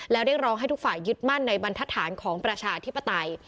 แล้วเรียกร้องให้ทุกฝ่ายยึดมั่นในบรรทฐานของประชาธิปไตย